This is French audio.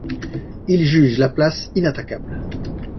Ils jugent la place inattaquable.